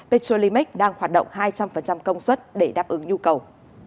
petrolimax đang hoạt động hai trăm linh công suất để đáp ứng nhu cầu